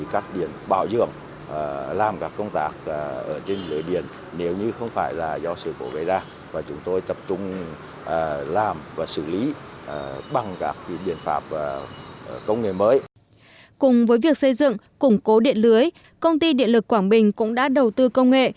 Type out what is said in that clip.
cùng với việc xây dựng củng cố điện lưới công ty điện lực quảng bình cũng đã đầu tư công nghệ